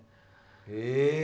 え！